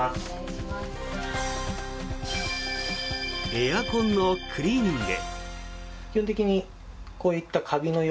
エアコンのクリーニング。